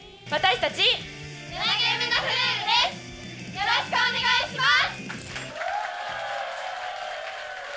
よろしくお願いします。